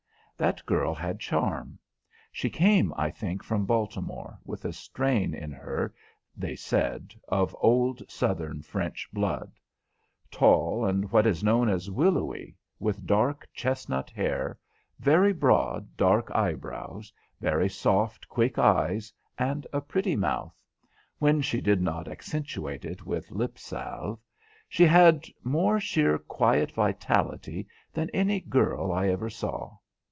That girl had charm. She came, I think, from Baltimore, with a strain in her, they said, of old Southern French blood. Tall and what is known as willowy, with dark chestnut hair, very broad, dark eyebrows, very soft, quick eyes, and a pretty mouth, when she did not accentuate it with lip salve, she had more sheer quiet vitality than any girl I ever saw.